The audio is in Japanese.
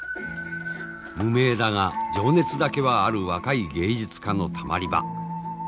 無名だが情熱だけはある若い芸術家のたまり場。